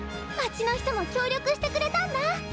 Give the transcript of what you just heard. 街の人も協力してくれたんだ。